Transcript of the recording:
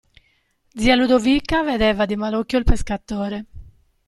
Zia Ludovica vedeva di mal occhio il pescatore.